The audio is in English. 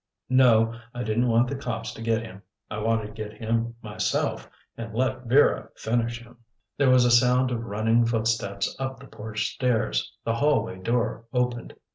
No, I didn't want the cops to get him. I wanted to get him myself and let Vera finish him. There was a sound of running footsteps up the porch stairs. The hallway door opened.